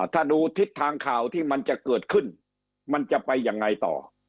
ถ้าดูทิศทางข่าวที่มันจะเกิดขึ้นมันจะไปยังไงต่อ